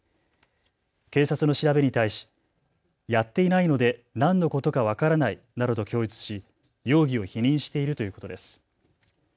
警察の調べに対しやっていないので何のことか分からないなどと供述し容疑を否認しているということです。